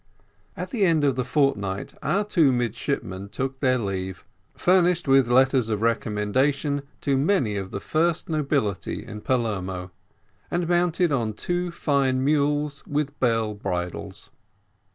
At the end of the fortnight our two midshipmen took their leave, furnished with letters of recommendation to many of the first nobility in Palermo, and mounted on two fine mules with bell bridles.